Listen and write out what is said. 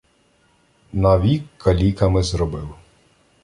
Навік каліками зробив.